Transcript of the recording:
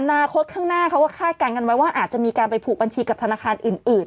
อนาคตข้างหน้าเขาก็คาดการณ์กันไว้ว่าอาจจะมีการไปผูกบัญชีกับธนาคารอื่น